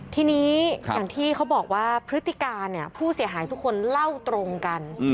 ทีนี้อย่างที่เขาบอกว่าพฤติการผู้เสียหายทุกคนเล่าตรงกัน